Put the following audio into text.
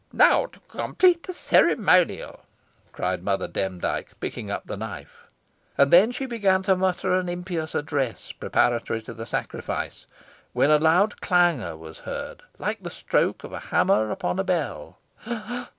"Now to complete the ceremonial," cried Mother Demdike, picking up the knife. And then she began to mutter an impious address preparatory to the sacrifice, when a loud clangour was heard like the stroke of a hammer upon a bell.